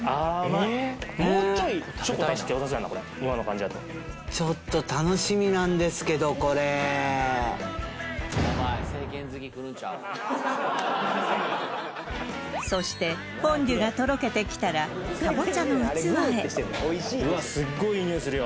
これ今の感じやとちょっと楽しみなんですけどこれそしてフォンデュがとろけてきたらかぼちゃの器へ